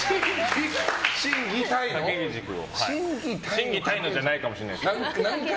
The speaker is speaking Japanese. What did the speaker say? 心技体のじゃないかもしれないけど。